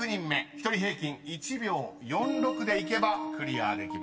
［１人平均１秒４６でいけばクリアできます］